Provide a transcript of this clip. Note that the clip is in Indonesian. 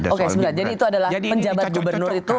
oke sebenarnya jadi itu adalah penjabat gubernur itu